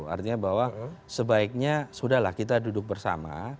artinya bahwa sebaiknya sudah lah kita duduk bersama